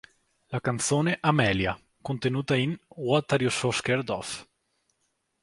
La canzone "Amelia", contenuta in "What Are You So Scared Of?